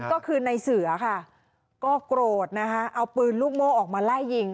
ก็คือในเสือค่ะก็โกรธนะคะเอาปืนลูกโม่ออกมาไล่ยิง